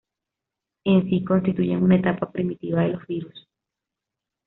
En sí constituyen una etapa primitiva de los virus.